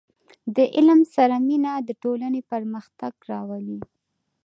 • د علم سره مینه، د ټولنې پرمختګ راولي.